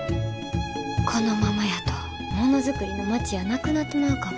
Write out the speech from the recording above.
このままやとものづくりの町やなくなってまうかも。